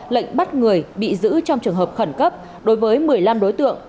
lệnh bắt người bị giữ trong trường hợp khẩn cấp đối với một mươi năm đối tượng